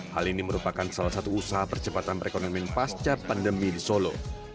hal ini merupakan salah satu usaha percepatan perekonomian pasca pandemi di solo